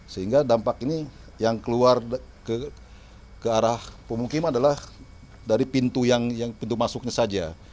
sehingga dampak ini yang keluar ke arah pemukiman adalah dari pintu yang pintu masuknya saja